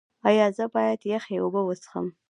ایا زه باید یخې اوبه وڅښم؟